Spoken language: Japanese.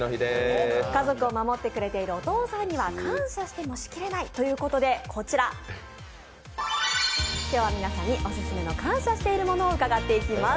家族を守ってくれているお父さんには感謝してもしきれないということでこちら、オススメの感謝しているものを伺っていきます。